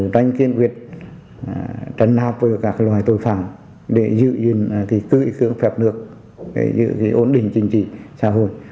đánh kiên quyết trấn áp với các loài tội phạm để giữ gìn tự ý cưỡng phép nước giữ ổn định chính trị xã hội